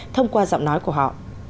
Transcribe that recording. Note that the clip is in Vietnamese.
thông qua giọng nói của họ